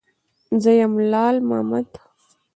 _زه يم، لال مامد.